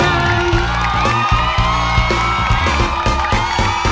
โอ้โฮ